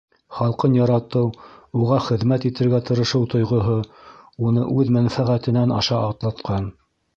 Халҡын яратыу, уға хеҙмәт итергә тырышыу тойғоһо уны үҙ мәнфәғәтенән аша атлатҡан!.